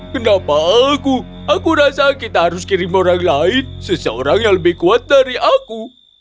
kenapa aku aku rasa kita harus kirim orang lain seseorang yang lebih kuat dari aku